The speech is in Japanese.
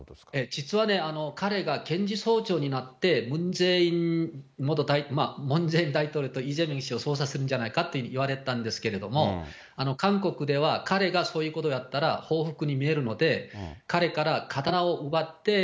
実は彼が検事総長になって、ムン・ジェイン大統領とイ・ジェミョン候補を捜査するんじゃないかといわれたんですけど、韓国では彼がそういうことをやったら、報復に見えるので、彼から刀を奪って、